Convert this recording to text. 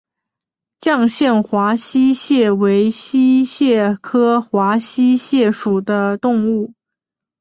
绛县华溪蟹为溪蟹科华溪蟹属的动物。